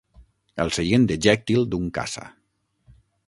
El seient ejèctil d'un caça.